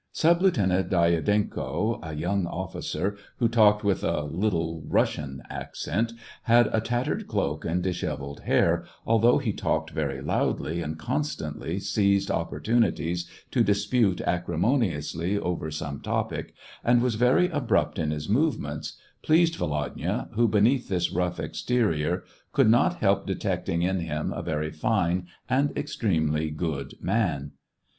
Sub Lieutenant Dyadenko, a young officer, who talked with a Little Russian accent, had a tattered cloak and dishevelled hair, althoug h he talked very loudly, and constantly seized oppor tunities to dispute acrimoniously over some topic, and was very abrupt in his movements, pleased Volodya, who, beneath this rough exte rior, could not help detecting in him a very fine and extremely good man.